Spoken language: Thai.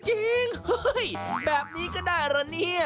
เฮ้ยแบบนี้ก็ได้เหรอเนี่ย